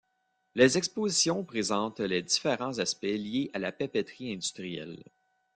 Les expositions présentent les différents aspects liés à la papeterie industrielle.